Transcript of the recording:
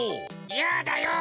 やだよ！